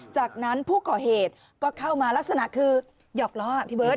จากนั้นผู้ก่อเหตุก็เข้ามาลักษณะคือหยอกล้อพี่เบิร์ต